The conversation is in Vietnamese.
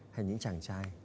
hay những chàng trai